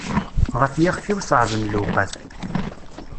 Ɣef yixef-iw ṣeεben lewqat.